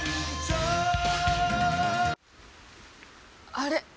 あれ？